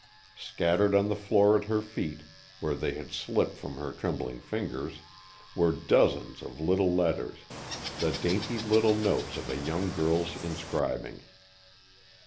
Scattered on the floor at her feet, where they had slipped from her trembling fingers, were dozens of little letters, the dainty little notes of a young girl's inscribing.